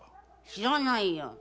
知らないよ。